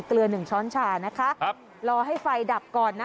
เกลือหนึ่งช้อนชานะคะครับรอให้ไฟดับก่อนนะ